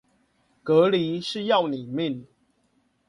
隔離是要你的命